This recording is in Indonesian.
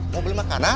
mau beli makanan